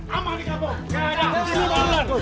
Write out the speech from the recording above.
aman nih kamu gak ada ular ulur